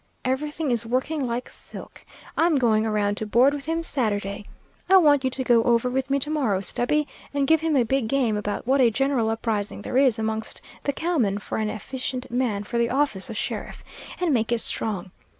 Everything is working like silk. I'm going around to board with him Saturday. I want you to go over with me to morrow, Stubby, and give him a big game about what a general uprising there is amongst the cowmen for an efficient man for the office of sheriff, and make it strong.